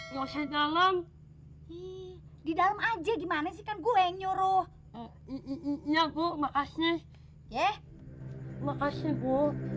nggak usah di dalam di dalam aja gimana sih kan gue yang nyuruh iya bu makasih ya makasih bu